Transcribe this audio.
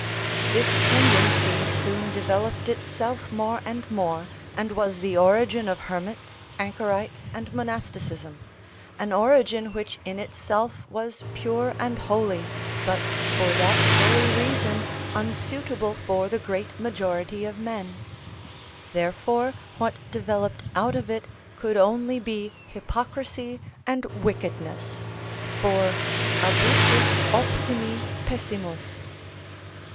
This tendency soon developed itself more and more, and was the origin of hermits, anchorites, and monasticism—an origin which in itself was pure and holy, but for that very reason unsuitable for the great majority of men; therefore what developed out of it could only be hypocrisy and wickedness, for abusus optimi pessimus.